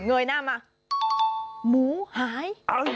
เหงยหน้ามันว่าหมูหาย